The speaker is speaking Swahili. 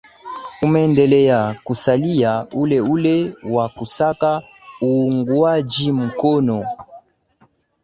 umeendelea kusalia ule ule wa kusaka uungwaji mkono